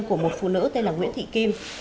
của một phụ nữ tên là nguyễn thị kim